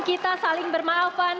kita saling bermaafkan